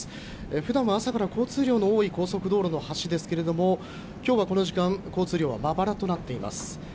ふだんは朝から交通量の多い高速道路の橋ですけれどもきょうはこの時間、交通量はまばらとなっています。